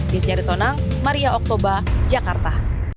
desyari tonang maria oktober jakarta